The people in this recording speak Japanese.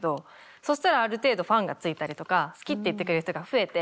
そしたらある程度ファンがついたりとか好きって言ってくれる人が増えて。